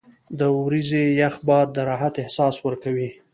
• د ورځې یخ باد د راحت احساس ورکوي.